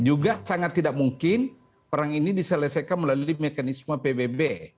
juga sangat tidak mungkin perang ini diselesaikan melalui mekanisme pbb